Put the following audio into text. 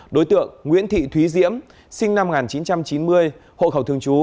đối tượng nguyễn thị thúy diễm sinh năm một nghìn chín trăm chín mươi hộ khẩu thường trú